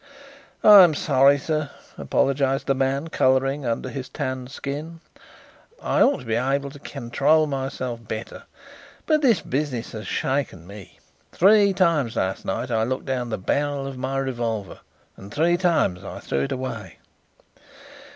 "I'm sorry, sir," apologized the man, colouring under his tanned skin. "I ought to be able to control myself better. But this business has shaken me. Three times last night I looked down the barrel of my revolver, and three times I threw it away....